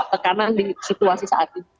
tekanan di situasi saat ini